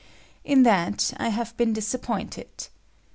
In that I have been disappointed.